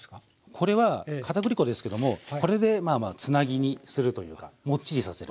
これは片栗粉ですけどもこれでまあまあつなぎにするというかもっちりさせる。